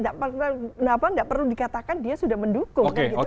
kenapa tidak perlu dikatakan dia sudah mendukung